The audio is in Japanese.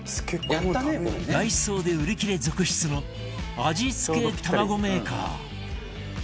ダイソーで売り切れ続出の味付けたまごメーカー